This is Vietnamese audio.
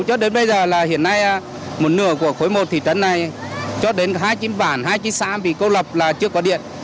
cho đến bây giờ là hiện nay một nửa của khối một thị trấn này cho đến hai chín bản hai mươi xã bị cô lập là chưa có điện